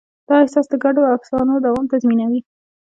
دا احساس د ګډو افسانو دوام تضمینوي.